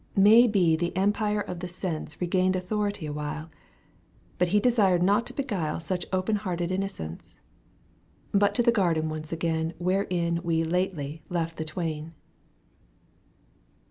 May be the empire of the sense Eegained authority awhile. But he desired not to beguile Such open hearted innocence. But to the garden once again Wherein we lately left the twain.